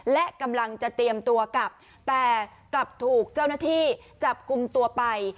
และกำลังจะเตรียมตัวกลับแต่กลับถูกเจ้าหน้าที่จับกลุ่มตัวไป